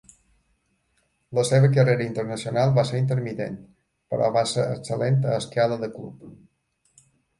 La seva carrera internacional va ser intermitent, però va ser excel·lent a escala de club.